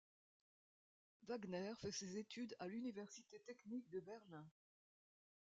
Wagner fait ses études à l'Université technique de Berlin.